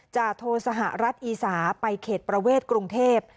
จาโทสหรัฐอีสาไปเขตประเวทกรุงเทพ